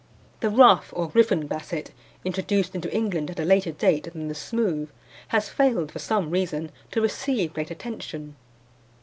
The rough or Griffon Basset, introduced into England at a later date than the smooth, has failed for some reason to receive great attention.